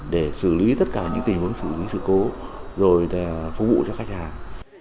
để xử lý tất cả những tình huống xử lý sự cố rồi phục vụ cho khách hàng